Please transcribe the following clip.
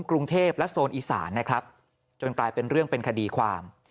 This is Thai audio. กรุงเทพและโซนอีสานนะครับจนกลายเป็นเรื่องเป็นคดีความ